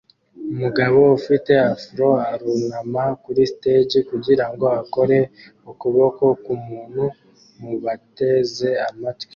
Umugabo ufite afro arunama kuri stage kugirango akore ukuboko k'umuntu mubateze amatwi